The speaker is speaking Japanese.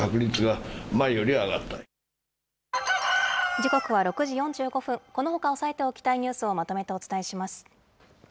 時刻は６時４５分、このほか押さえておきたいニュースをまとめてお伝えします。